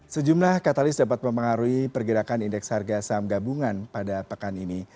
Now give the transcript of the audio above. sejumlah katalis dapat mempengaruhi pergerakan indeks harga saham gabungan pada pekan ini